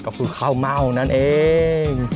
ก็คือข้าวเม่านั่นเอง